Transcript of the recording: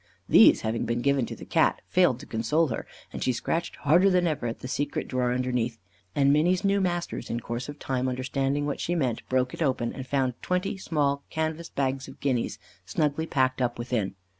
These having been given to the Cat, failed to console her, and she scratched harder than ever at the secret drawer underneath; and Minny's new masters, in course of time understanding what she meant, broke it open, and found twenty small canvas bags of guineas snugly packed up within.